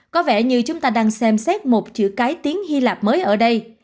có vẻ như chúng ta đang xem xét một chữ cái tiếng hy lạp mới ở đây